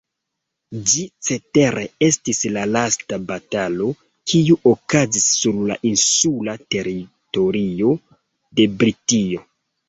Ĝi cetere estis la lasta batalo, kiu okazis sur la insula teritorio de Britio.